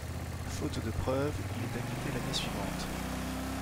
Faute de preuve, il est acquitté l'année suivante.